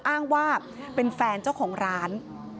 อ้างว่าเป็นแฟนเจ้าของร้าน